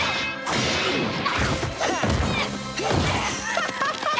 ハハハハ！